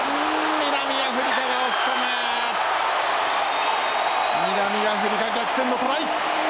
南アフリカ逆転のトライ！